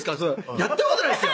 やったことないですよ